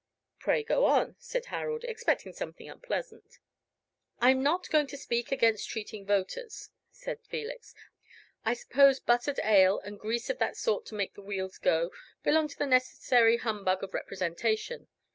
"Pray go on," said Harold, expecting something unpleasant. "I'm not going to speak against treating voters," said Felix; "I suppose buttered ale, and grease of that sort to make the wheels go, belong to the necessary humbug of representation.